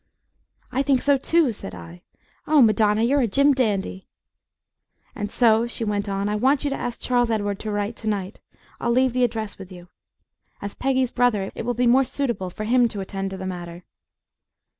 "I think so, too!" said I. "Oh, Madonna, you're a Jim Dandy!" "And so," she went on, "I want you to ask Charles Edward to write to night. I'll leave the address with you. As Peggy's brother, it will be more suitable for him to attend to the matter."